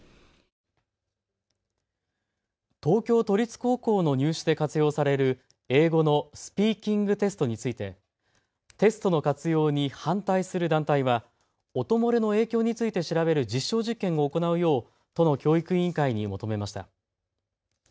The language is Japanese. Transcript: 東京都立高校の入試で活用される英語のスピーキングテストについて、テストの活用に反対する団体は音漏れの影響について調べる実証実験を行うよう都の教育委員会に求めました。